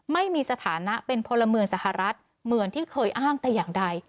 ไม่มีสถานะเป็นพลเมืองสหรัฐเหมือนที่เคยอ้างแต่อย่างใด